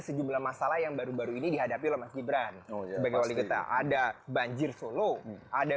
sejumlah masalah yang baru baru ini dihadapi oleh mas gibran sebagai wali kita ada banjir solo ada